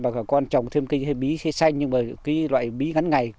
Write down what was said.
bà con trồng thêm cây hay bí hay xanh nhưng mà cái loại bí ngắn ngày